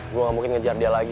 gue gak mungkin ngejar dia lagi